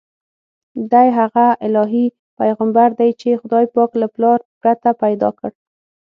دی هغه الهي پیغمبر دی چې خدای پاک له پلار پرته پیدا کړ.